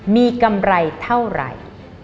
มีกำไรเท่าไหร่